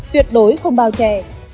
tuyệt đối không bao trè